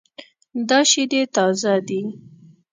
دا شیدې تازه دي